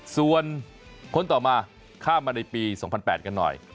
ส่วนคนต่อมาข้ามมาในปี๒๐๐๘กันหน่อย